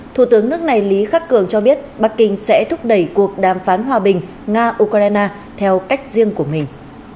thủ tướng nước này lý khắc cường cho biết bắc kinh sẽ thúc đẩy cuộc đàm phán hòa bình nga ukraine theo cách riêng của mình